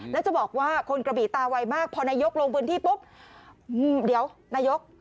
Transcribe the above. แล้วจะบอกว่าคนกระบีตาไวมากพอนายกลงพื้นที่ปุ๊บ